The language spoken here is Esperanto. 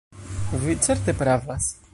Vi certe pravas!